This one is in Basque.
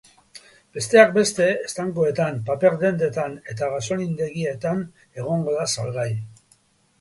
Besteak beste, estankoetan, paper-dendetan eta gasolindegietan egongo da salgai.